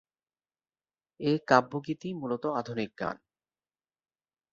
এ কাব্যগীতিই মূলত আধুনিক গান।